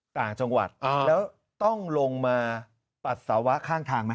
ต่างจังหวัดแล้วต้องลงมาปัสสาวะข้างทางไหม